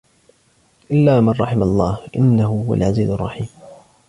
إِلَّا مَنْ رَحِمَ اللَّهُ إِنَّهُ هُوَ الْعَزِيزُ الرَّحِيمُ